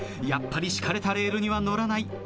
やっぱり敷かれたレールには乗らない。